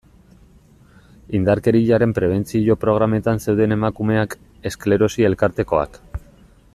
Indarkeriaren prebentzio programetan zeuden emakumeak, esklerosi elkartekoak...